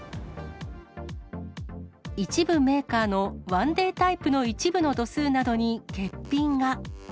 一部メーカーのワンデータイプの一部の度数などに欠品が。